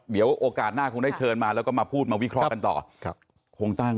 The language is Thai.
เดี๋ยวโอกาสหน้าคงได้เชิญมาแล้วก็มาพูดมาวิเคราะห์กันต่อครับคงตั้ง